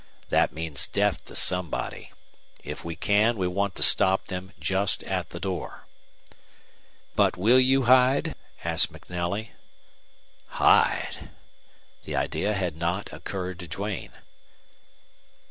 That means death to somebody. If we can we want to stop them just at the door." "But will you hide?" asked MacNelly. "Hide!" The idea had not occurred to Duane.